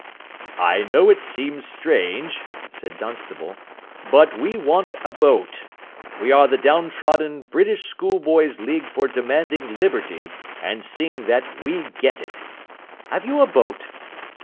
"I know it seems strange," said Dunstable, "but we want a boat. We are the Down trodden British Schoolboys' League for Demanding Liberty and seeing that We Get It. Have you a boat?"